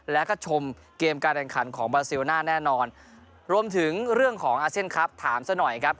แล้วก็ชมเกมการแรงขันของแน่นอนรวมถึงเรื่องของถามซะหน่อยครับ